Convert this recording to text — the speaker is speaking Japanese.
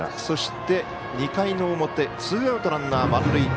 そして、２回の表ツーアウト、ランナー満塁。